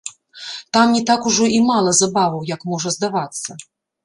Там не так ужо і мала забаваў, як можа здавацца.